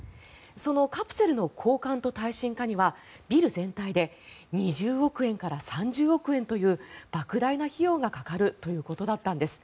そのカプセルの交換と耐震化にはビル全体で２０億円から３０億円というばく大な費用がかかるということだったんです。